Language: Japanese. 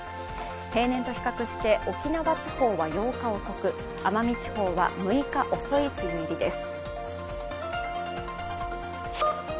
平年と比較して沖縄地方は８日遅く奄美地方は６日遅い梅雨入りです。